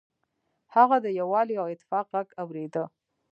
هغه د یووالي او اتفاق غږ اوریده.